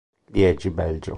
Liegi, Belgio.